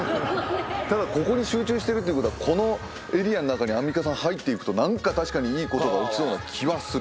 ただここに集中してるということはこのエリアの中にアンミカさん入ってくと何か確かにいいことが起きそうな気はするという。